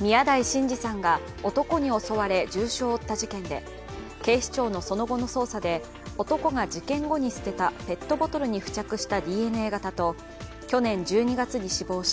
宮台真司さんが男に襲われ重傷を負った事件で警視庁のその後の捜査で男が事件後に捨てたペットボトルに付着したＤＮＡ型と去年１２月に死亡した